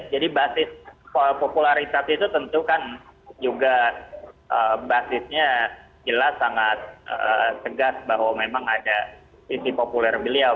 jadi basis popularitas itu tentu kan juga basisnya jelas sangat cegas bahwa memang ada sisi populer beliau